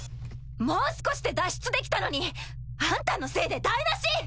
もう少しで脱出できたのにあんたのせいで台なし！